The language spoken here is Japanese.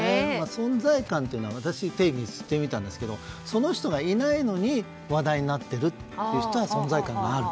存在感というのは私、定義してみたんですけどその人がいないのに話題になっているというのは存在感がある。